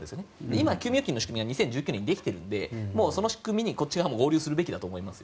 今、休眠預金の仕組みが２０１９年にできているのでその仕組みに、こっち側も合流すべきだと思います。